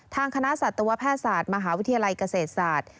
ทางคณะสัตวแพทย์ศาสตร์มหาวิทยาลัยเกษตรศาสตร์